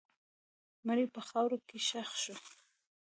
مړی په خاوره کې ښخ شو.